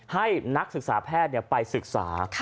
ให้นักศึกษาแพทย์ไปศึกษา